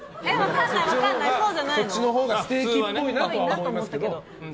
そっちのほうがステーキっぽいなと思いますけど。